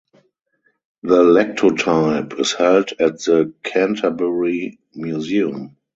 The lectotype is held at the Canterbury Museum.